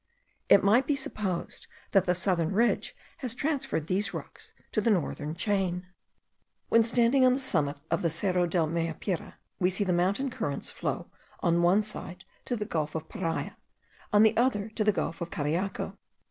It might be supposed that the southern ridge has transferred these rocks to the northern chain. When standing on the summit of the Cerro del Meapire, we see the mountain currents flow on one side to the gulf of Paria, and on the other to the gulf of Cariaco.